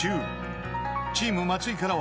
［チーム松井からは］